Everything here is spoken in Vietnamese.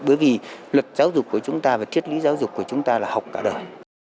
bởi vì luật giáo dục của chúng ta và thiết lý giáo dục của chúng ta là học cả đời